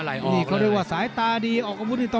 ใครก็เลือกค่อยออกเนี่ย